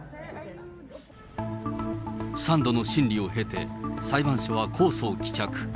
３度の審理を経て、裁判所は公訴を棄却。